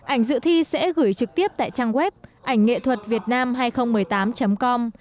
ảnh dự thi sẽ gửi trực tiếp tại trang web ảnhnghệthuậtviệtnam hai nghìn một mươi tám com